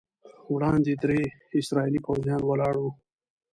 وړاندې درې اسرائیلي پوځیان ولاړ وو.